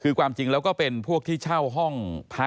ก็มีการออกรูปรวมปัญญาหลักฐานออกมาจับได้ทั้งหมด